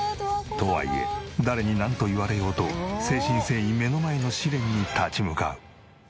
とはいえ誰になんと言われようと誠心誠意目の前の試練に立ち向かう。